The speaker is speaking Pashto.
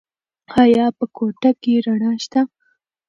ایا په کوټه کې رڼا شته؟